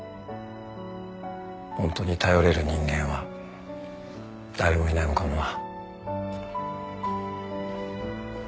ホントに頼れる人間は誰もいないのかもな。